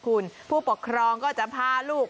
คุณผู้ปกครองก็จะพาลูก